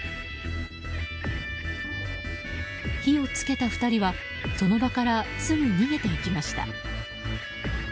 火を付けた２人はその場からすぐ逃げていきました。